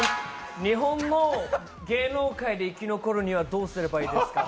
日本の芸能界で生き残るにはどうすればいいですか？